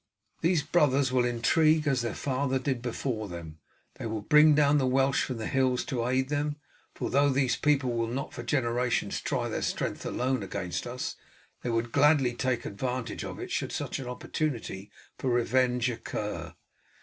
These brothers will intrigue as their father did before them. They will bring down the Welsh from their hills to aid them, for though these people will not for generations try their strength alone against us, they would gladly take advantage of it should such an opportunity for revenge occur.